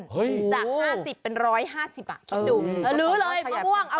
จาก๕๐๑๕๐คือช่าย